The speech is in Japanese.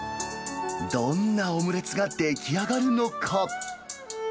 どんなオムレツが出来上がるのか。